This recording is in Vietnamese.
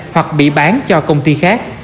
hoặc bị bán cho công ty khác